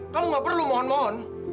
kamu nggak perlu mohon mohon